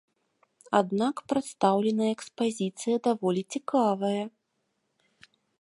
Аднак прадстаўленая экспазіцыя даволі цікавая.